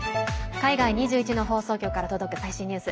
海外２１の放送局から届く最新ニュース。